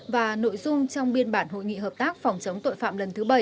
và nội dung trong biên bản hội nghị hợp tác phòng chống tội phạm lần thứ bảy